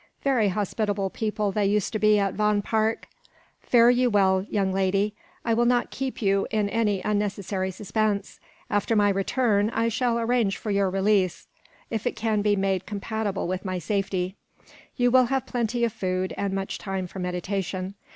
Very hospitable people they used to be at Vaughan Park. Fare you well, young lady; I will not keep you in any unnecessary suspense. After my return, I shall arrange for your release; if it can be made compatible with my safety. You will have plenty of food, and much time for meditation.